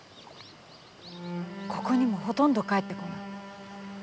ここにもほとんど帰ってこない。